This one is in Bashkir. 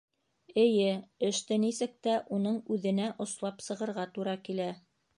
Эйе, эште нисек тә уның үҙенә ослап сығырға тура килә.